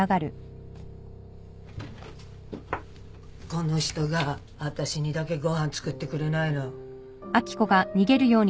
この人が私にだけご飯作ってくれないの。